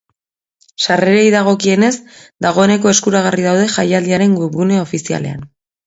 Sarrerei dagokienez, dagoeneko eskuragarri daude jaialdiaren webgune ofizialean.